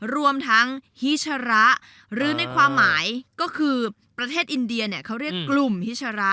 รวมทั้งฮิชระหรือในความหมายก็คือประเทศอินเดียเนี่ยเขาเรียกกลุ่มฮิชระ